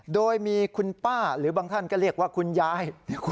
โดยมีคุณป้าหรือบางท่านก็เรียกว่าคุณยาย